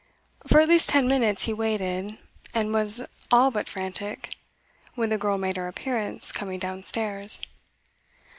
For at least ten minutes he waited, and was all but frantic, when the girl made her appearance, coming downstairs.